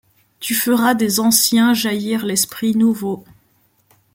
Tu feras des anciens jaillir l'esprit nouveau ;